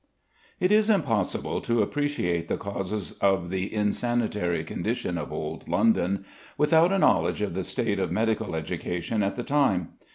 It is impossible to appreciate the causes of the insanitary condition of Old London without a knowledge of the state of medical education at the time.